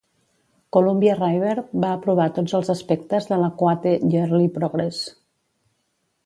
Columbia River va aprovar tots els aspectes de l'Adequate Yearly Progress.